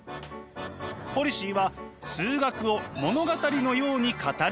ポリシーは数学を物語のように語ること。